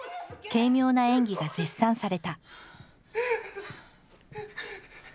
軽妙な演技が絶賛された。